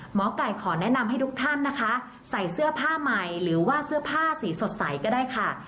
หมอไก่ขอแนะนำให้ทุกท่านนะคะใส่เสื้อผ้าใหม่หรือว่าเสื้อผ้าสีสดใสก็ได้ค่ะ